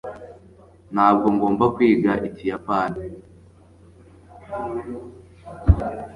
ntabwo ngomba kwiga ikiyapani